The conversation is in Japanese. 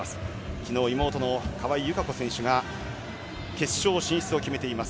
昨日、妹の川井友香子選手が決勝進出を決めています。